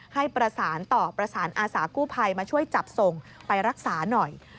ให้ประสานต่อประสานอาสากู้ภัยมาช่วยจับส่งไปรักษาหน่อย